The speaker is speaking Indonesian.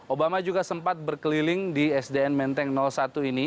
obama juga sempat berkeliling di sdn menteng satu ini